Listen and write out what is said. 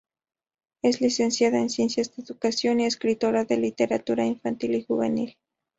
Es licenciada en Ciencias de la Educación y escritora de literatura infantil y juvenil.